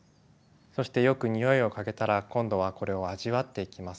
そしてよく匂いを嗅げたら今度はこれを味わっていきます。